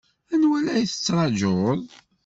Anwa ay la tettṛajuḍ?